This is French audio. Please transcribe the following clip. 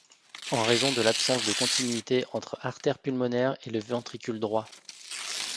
En raison de l'absence de continuité entre artère pulmonaire et le ventricule droit.